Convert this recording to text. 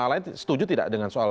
lain setuju tidak dengan soal